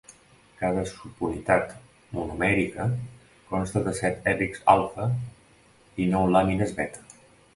Cada subunitat monomèrica consta de set hèlixs alfa i nou làmines beta.